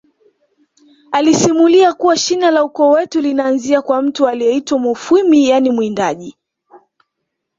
alisimulia kuwa shina la ukoo wetu linaanzia kwa mtu aliyeitwa mufwimi yaani mwindaji